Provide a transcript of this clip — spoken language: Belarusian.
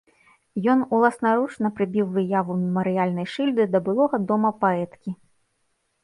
Ён уласнаручна прыбіў выяву мемарыяльнай шыльды да былога дома паэткі.